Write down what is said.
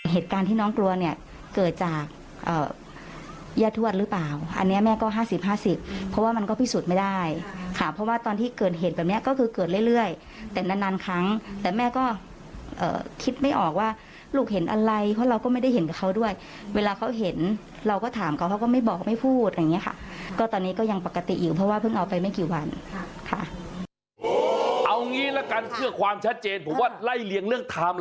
เหตุการณ์ที่น้องกลัวเนี่ยเกิดจากยาทวดหรือเปล่าอันเนี้ยแม่ก็ห้าสิบห้าสิบเพราะว่ามันก็พิสูจน์ไม่ได้ค่ะเพราะว่าตอนที่เกิดเห็นแบบเนี้ยก็คือเกิดเรื่อยเรื่อยแต่นานนานครั้งแต่แม่ก็เอ่อคิดไม่ออกว่าลูกเห็นอะไรเพราะเราก็ไม่ได้เห็นกับเขาด้วยเวลาเขาเห็นเราก็ถามเขาเขาก็ไม่บอกไม่พูดอย่างเงี้ยค่